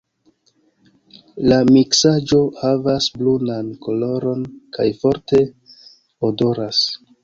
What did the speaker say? La miksaĵo havas brunan koloron kaj forte odoras.